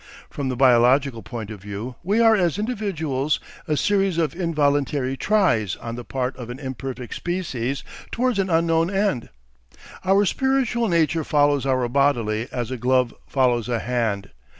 From the biological point of view we are as individuals a series of involuntary "tries" on the part of an imperfect species towards an unknown end. Our spiritual nature follows our bodily as a glove follows a hand.